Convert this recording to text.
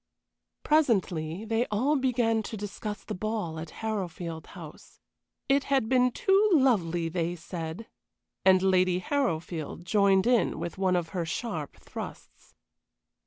Presently they all began to discuss the ball at Harrowfield House. It had been too lovely, they said, and Lady Harrowfield joined in with one of her sharp thrusts.